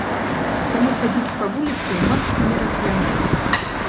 Таму хадзіць па вуліцы ў масцы не рацыянальна.